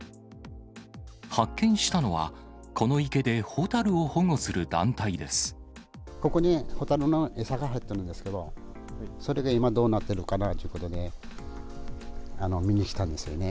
発見したのは、ここに蛍の餌が入ってるんですけど、それで今、どうなっているかなということで、見にきたんですよね。